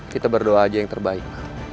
kita berdoa aja yang terbaik